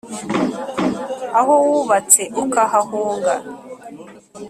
aho wubatse ukahahunga